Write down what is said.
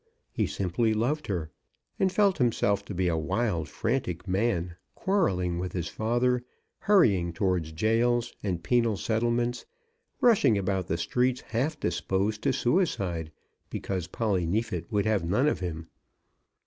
He simply loved her, and felt himself to be a wild, frantic man, quarrelling with his father, hurrying towards jails and penal settlements, rushing about the streets half disposed to suicide, because Polly Neefit would have none of him.